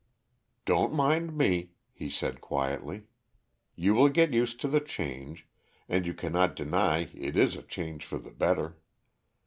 "Don't mind me," he said quietly. "You will get used to the change, and you cannot deny it is a change for the better.